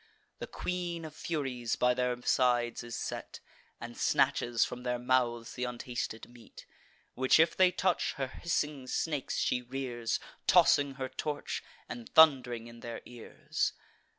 The Queen of Furies by their sides is set, And snatches from their mouths th' untasted meat, Which if they touch, her hissing snakes she rears, Tossing her torch, and thund'ring in their ears.